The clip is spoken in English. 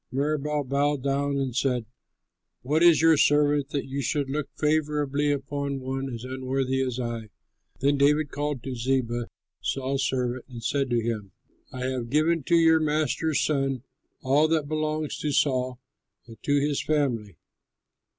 Meribaal bowed down and said, "What is your servant that you should look favorably upon one as unworthy as I?" Then David called to Ziba, Saul's servant, and said to him, "I have given to your master's son all that belongs to Saul and to his family.